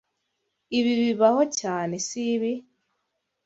Ibi bibaho cyane, sibi?